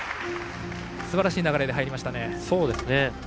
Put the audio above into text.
すばらしい流れで入りました。